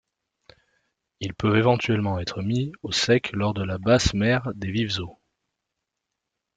Ils peuvent éventuellement être mis au sec lors de la basse mer des vives-eaux.